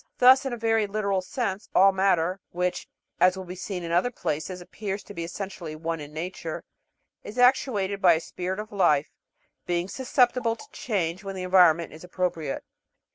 Thus, in a very literal sense, all matter which, as will be seen in other places, appears to be essentially one in nature is actuated by a spirit of life, being susceptible to change when the environment is appropriate.